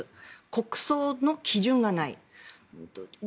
国葬の基準がない。